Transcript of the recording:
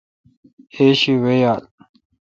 ایشی وی یال۔